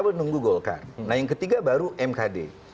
bisa menggugulkan nah yang ketiga baru mkd